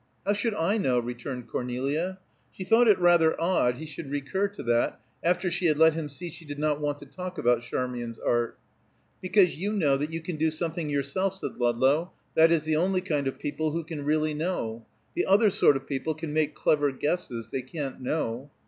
"How should I know?" returned Cornelia. She thought it rather odd he should recur to that after she had let him see she did not want to talk about Charmian's art. "Because you know that you can do something yourself," said Ludlow. "That is the only kind of people who can really know. The other sort of people can make clever guesses; they can't know."